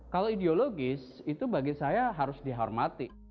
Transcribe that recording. kalau ideologis itu bagi saya harus dihormati